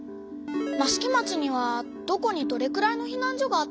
益城町にはどこにどれくらいのひなん所があったの？